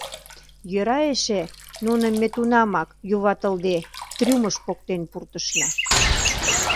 Йӧра эше, нуным ме тунамак, юватылде, трюмыш поктен пуртышна.